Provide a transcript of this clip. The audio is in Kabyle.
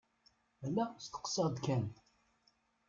Ala steqsaɣ-d kan.